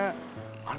あれ？